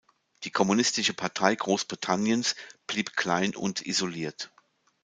Die Kommunistische Partei Großbritanniens blieb klein und isoliert.